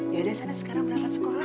yaudah sana sekarang berangkat sekolah